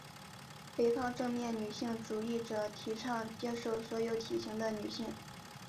肥胖正面女性主义者提倡接受所有体型的女性。